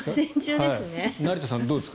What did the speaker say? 成田さんどうですか。